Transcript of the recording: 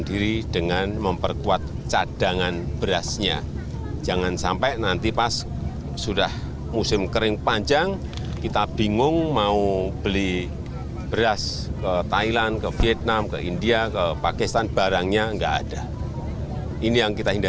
jokowi mengatakan beras ini diimpor dari india pakistan myanmar dan thailand